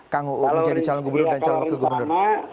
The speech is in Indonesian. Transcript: kalau menurut saya kalau pertama